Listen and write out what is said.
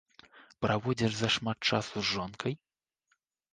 Праводзіш зашмат часу з жонкай?